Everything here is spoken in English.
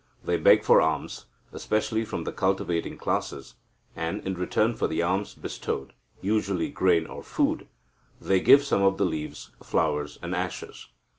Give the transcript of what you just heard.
They beg for alms, especially from the cultivating classes, and, in return for the alms bestowed (usually grain or food), they give some of the leaves, flowers, and ashes.